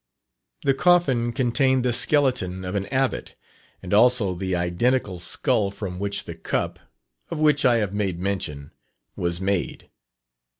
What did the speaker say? The coffin contained the skeleton of an Abbot, and also the identical skull from which the cup, of which I have made mention, was made.